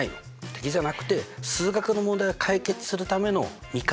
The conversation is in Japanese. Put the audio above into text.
敵じゃなくて数学の問題を解決するための味方。